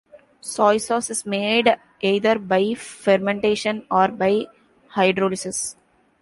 Soy sauce is made either by fermentation or by hydrolysis.